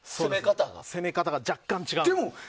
攻め方が若干違う。